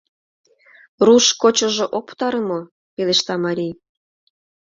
— Руш кочыжо ок пытаре мо? — пелешта марий.